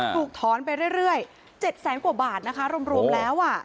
ถูกถอนไปเรื่อย๗แสนกว่าบาทนะคะรวมแล้ว